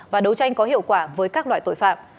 và đấu tranh có hiệu quả với các loại tội phạm